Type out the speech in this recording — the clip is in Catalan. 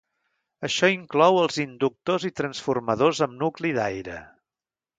Això inclou els inductors i transformadors amb nucli d'aire.